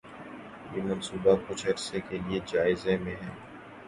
یہ منصوبہ کچھ عرصہ کے لیے جائزے میں ہے